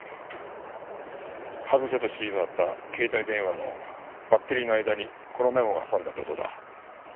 外せと指示のあった携帯電話のバッテリーの間にこのメモが挟んであったそうだ。